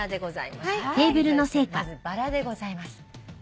まずバラでございます。